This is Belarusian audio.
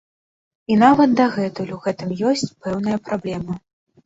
І нават дагэтуль у гэтым ёсць пэўная праблема.